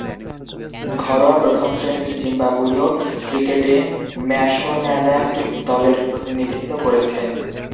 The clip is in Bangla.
ঘরোয়া প্রথম-শ্রেণীর জিম্বাবুয়ীয় ক্রিকেটে ম্যাশোনাল্যান্ড দলের প্রতিনিধিত্ব করেছেন।